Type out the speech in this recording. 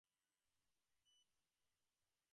আপনাদের সাহায্যের জন্য আমরা কৃতজ্ঞ।